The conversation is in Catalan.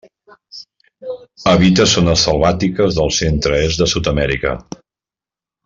Habita zones selvàtiques del centre-est de Sud-amèrica.